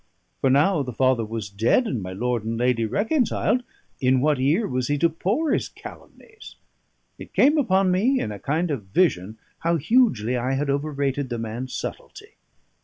For now the father was dead, and my lord and lady reconciled, in what ear was he to pour his calumnies? It came upon me in a kind of vision how hugely I had overrated the man's subtlety.